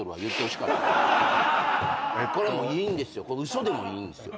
嘘でもいいんですよ。